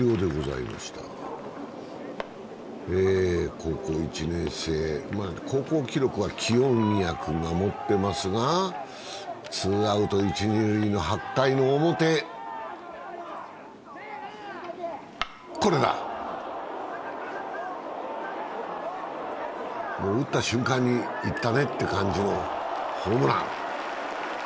高校１年生、高校記録は清宮君が持っていますが、ツーアウト一・二塁、８回表、これだ打った瞬間にいったねって感じのホームラン。